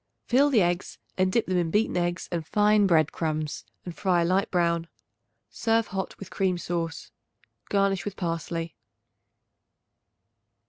Fill the eggs and dip them in beaten eggs and fine bread crumbs and fry a light brown. Serve hot with cream sauce. Garnish with parsley.